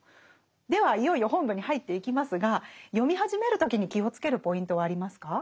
ではいよいよ本文に入っていきますが読み始める時に気を付けるポイントはありますか？